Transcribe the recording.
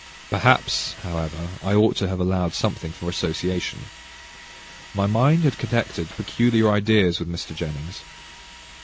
Perhaps, however, I ought to have allowed something for association. My mind had connected peculiar ideas with Mr. Jennings.